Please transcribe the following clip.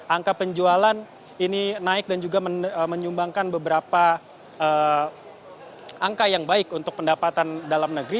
angka penjualan ini naik dan juga menyumbangkan beberapa angka yang baik untuk pendapatan dalam negeri